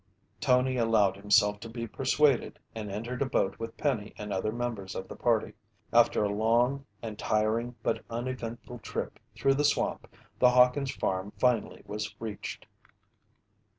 Tony allowed himself to be persuaded and entered a boat with Penny and other members of the party. After a long and tiring but uneventful trip through the swamp, the Hawkins' farm finally was reached.